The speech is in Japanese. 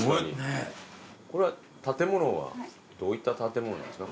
これは建物はどういった建物なんですか？